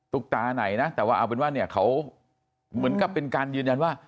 ตาไหนนะแต่ว่าเอาเป็นว่าเนี่ยเขาเหมือนกับเป็นการยืนยันว่า